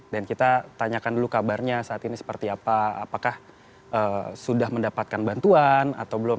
dan kita tanyakan dulu kabarnya saat ini seperti apa apakah sudah mendapatkan bantuan atau tidak